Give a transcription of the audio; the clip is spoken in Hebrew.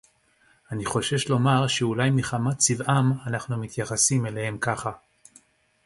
אני חושש לומר שאולי מחמת צבעם אנחנו מתייחסים אליהם ככה